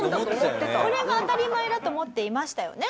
これが当たり前だと思っていましたよね。